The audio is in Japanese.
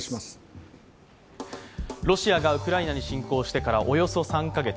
ロシアがウクライナに侵攻してから、およそ３カ月。